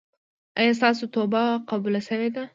ایا ستاسو توبه قبوله شوې ده؟